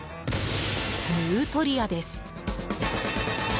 ヌートリアです。